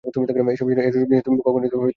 এসব জিনিস নিয়ে তুমি কখনো বিব্রত হও নি।